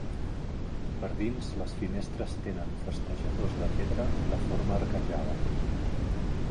Per dins les finestres tenen festejadors de pedra de forma arquejada.